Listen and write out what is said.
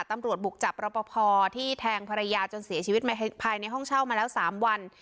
ตำรวจบุกจับรอปภที่แทงภรรยาจนเสียชีวิตภายในห้องเช่ามาแล้ว๓วัน